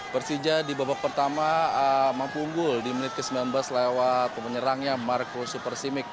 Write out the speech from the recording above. persija di babak pertama mampu unggul di menit ke sembilan belas lewat penyerangnya marco supersimik